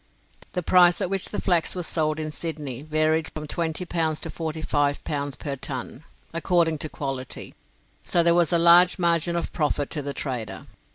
The price at which the flax was sold in Sydney varied from 20 pounds to 45 pounds per ton, according to quality, so there was a large margin of profit to the trader.